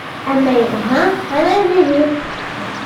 Ama yelha ama diri-t.